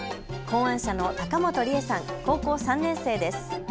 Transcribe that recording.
考案者の高本理恵さん、高校３年生です。